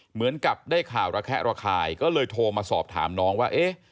เหมือนกับได้ข่าวระแคะระคายก็เลยโทรมาสอบถามน้องว่าเอ๊ะ